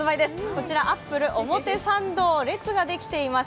こちら、アップル表参道、列ができています。